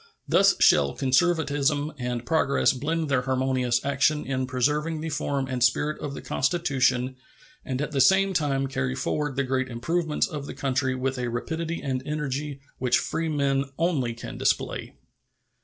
Thus shall conservatism and progress blend their harmonious action in preserving the form and spirit of the Constitution and at the same time carry forward the great improvements of the country with a rapidity and energy which freemen only can display.